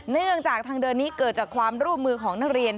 เนื่องจากทางเดินนี้เกิดจากความร่วมมือของนักเรียน